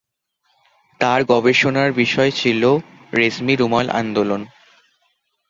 তার গবেষণার বিষয় ছিল রেশমি রুমাল আন্দোলন।